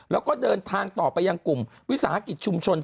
แล้วก็เดินทางต่อไปยังกลุ่มวิสาหกิจชุมชน